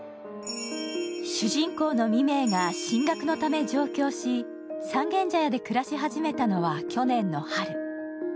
主人公の未明が進学のため上京し、三軒茶屋で暮らし始めたのは去年の春。